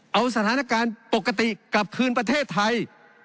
เอาสถานการณ์ปกติกลับคืนประเทศไทย